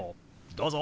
どうぞ！